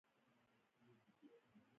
مشتری د ښه چلند په بدل کې وفادار پاتې کېږي.